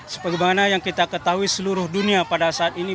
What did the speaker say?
sebagaimana yang kita ketahui seluruh dunia pada saat ini